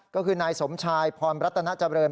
ก็คือนายสมชายพรรัตนาเจริญ